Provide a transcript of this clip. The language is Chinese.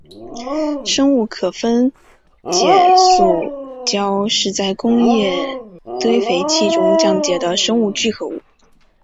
生物可分解塑胶是在工业堆肥器中降解的生物聚合物。